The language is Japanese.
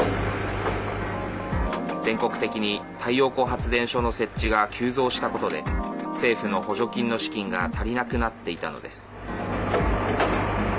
全国的に太陽光発電所の設置が急増したことで政府の補助金の資金が足りなくなっていたのです。